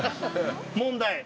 問題。